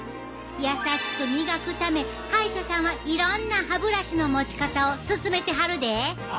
やさしく磨くため歯医者さんはいろんな歯ブラシの持ち方を勧めてはるで。